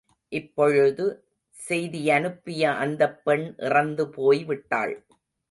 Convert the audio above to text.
இப்பொழுது செய்தியனுப்பிய அந்தப் பெண் இறந்து போய்விட்டாள்.